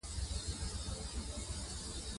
د قانون اطاعت د واکمنۍ لپاره محدودیت نه بلکې ساتنه ده